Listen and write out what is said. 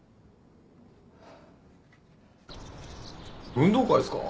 運動会っすか？